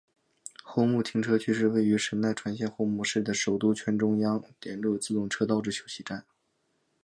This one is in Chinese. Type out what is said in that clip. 厚木停车区是位于神奈川县厚木市的首都圈中央连络自动车道之休息站。